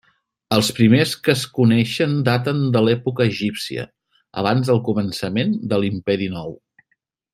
Els primers que es coneixen daten de l'època egípcia, abans del començament de l'Imperi Nou.